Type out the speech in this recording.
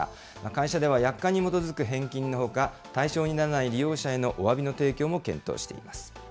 会社では、約款に基づく返金のほか、対象にならない利用者へのおわびの提供も検討しています。